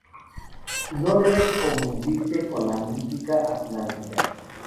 No debe confundirse con la mítica Atlántida.